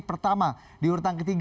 pertama di urutan ketiga